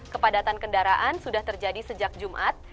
kepadatan kendaraan sudah terjadi sejak jumat